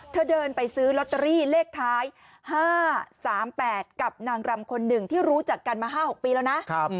เธอเดินไปซื้อลอตเตอรี่เลขท้าย๕๓๘กับนางรำคนหนึ่งที่รู้จักกันมา๕๖ปีแล้วนะ